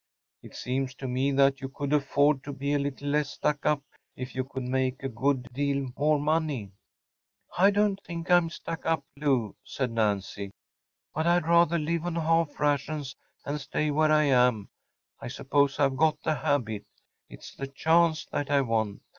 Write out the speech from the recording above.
It seems to me that you could afford to be a little less stuck up if you could make a good deal more money.‚ÄĚ “I don’t think I’m stuck up, Lou,‚ÄĚ said Nancy, “but I’d rather live on half rations and stay where I am. I suppose I’ve got the habit. It’s the chance that I want.